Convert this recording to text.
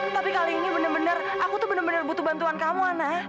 tapi kali ini benar benar aku tuh benar benar butuh bantuan kamu ana